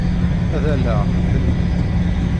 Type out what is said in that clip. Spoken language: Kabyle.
Ad alleɣ Mhenni.